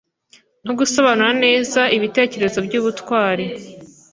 no gusobanura neza ibitekerezo byubutwari